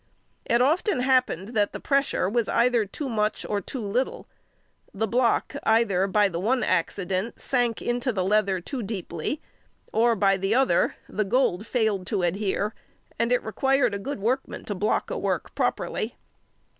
It often happened that the pressure was either too much or too little: the block either by the one accident sank into the leather too deeply, or by the other the gold failed to adhere, and it required a good workman to work a block properly.